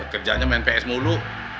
kerjaannya main ps mulu